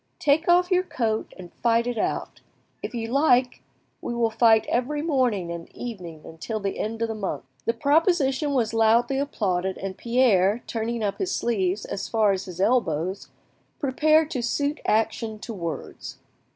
Take off your coat and fight it out. If you like, we will fight every morning and evening till the end of the month." The proposition was loudly applauded, and Pierre, turning up his sleeves as far as his elbows, prepared to suit actions to words.